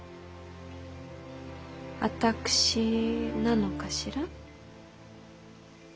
私なのかしら？